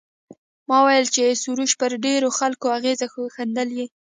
ما وویل چې سروش پر ډېرو خلکو اغېز ښندلی.